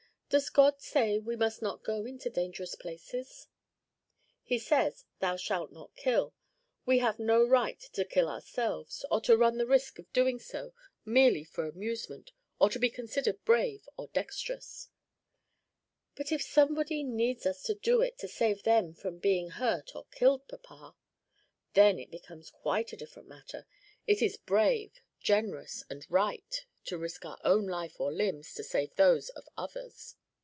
Does God say we must not go into dangerous places?" "He says, 'Thou shalt not kill;' we have no right to kill ourselves, or to run the risk of doing so merely for amusement or to be considered brave or dexterous." "But if somebody needs us to do it to save them from being hurt or killed, papa?" "Then it becomes quite a different matter: it is brave, generous, and right to risk our own life or limbs to save those of others."